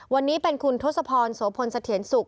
วันนี้เป็นคุณทศพรโสพลสะเทียนสุข